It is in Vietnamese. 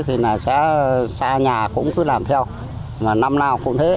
thì xã nhà cũng cứ làm theo mà năm nào cũng thế